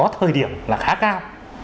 thời điểm là khá cao